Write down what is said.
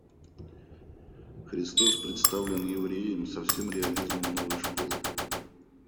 Христос представлен Евреем со всем реализмом новой школы.